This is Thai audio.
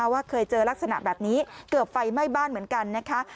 ว่าเคยเจอลักษณะแบบนี้เกิดไฟไหม้บ้านเหมือนกันนะคะ